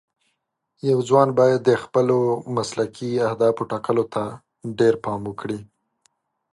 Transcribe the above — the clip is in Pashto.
یو ځوان باید د خپلو مسلکي اهدافو ټاکلو ته ډېر پام وکړي.